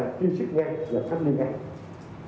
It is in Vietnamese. để mà chúng ta kiên sức nhanh và phát minh nhanh